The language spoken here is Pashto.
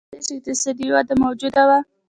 سره له دې چې اقتصادي وده موجوده وه.